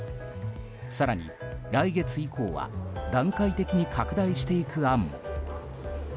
更に、来月以降は段階的に拡大していく案も。